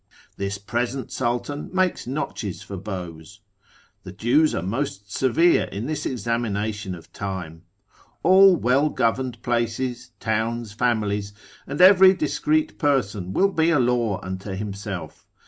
This present sultan makes notches for bows. The Jews are most severe in this examination of time. All well governed places, towns, families, and every discreet person will be a law unto himself.